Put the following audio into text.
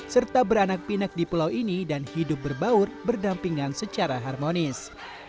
serta beranak pinak di pulau ini dan hidup berbaur berdampingan secara harmonis